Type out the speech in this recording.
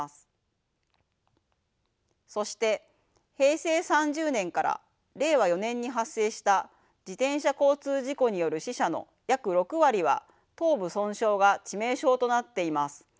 そして平成３０年から令和４年に発生した自転車交通事故による死者の約６割は頭部損傷が致命傷となっています。